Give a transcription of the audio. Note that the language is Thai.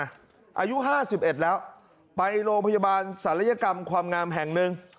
อายุ๕๑แล้วไปโรงพยาบาลศัลยกรรมความงามแห่งหนึ่ง